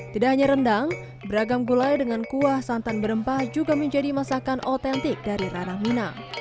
tidak hanya rendang beragam gulai dengan kuah santan berempah juga menjadi masakan otentik dari ranah minang